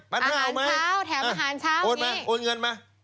๑๕๐๐บาทเอาไหมโอ้นมาโอ้นเงินมาแถมอาหารเช้า